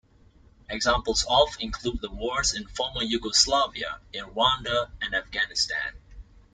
Examples of include the wars in the former Yugoslavia, in Rwanda and Afghanistan.